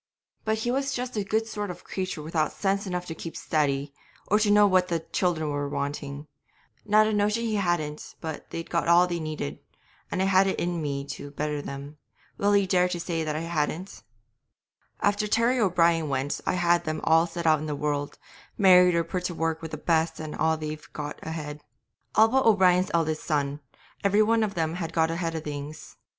But he was just a good sort of creature without sense enough to keep steady, or to know what the children were wanting; not a notion he hadn't but that they'd got all they needed, and I had it in me to better them. Will ye dare to say that I hadn't? 'After Terry O'Brien went I had them all set out in the world, married or put to work with the best, and they've got ahead. All but O'Brien's eldest son, every one of them have got ahead of things.